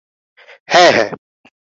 হ্যাঁ, হ্যাঁ।